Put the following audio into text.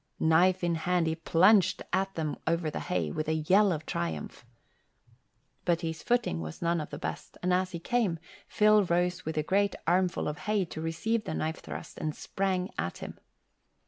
Knife in hand he plunged at them over the hay, with a yell of triumph. But his footing was none of the best, and as he came, Phil rose with a great armful of hay to receive the knife thrust and sprang at him.